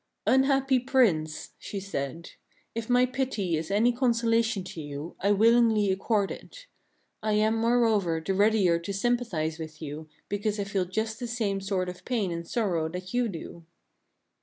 "Unhappy Prince," she said, "if my pity is any consola tion to you, I willingly accord it. I am, moreover, the readier to sympathize with you because I feel just the same sort of pain and sorrow that you do."